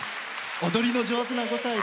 踊りの上手な５歳で。